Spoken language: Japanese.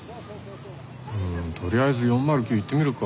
うんとりあえず４０９行ってみるか。